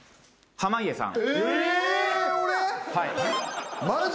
濱家さん。